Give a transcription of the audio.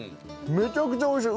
めちゃくちゃ美味しい。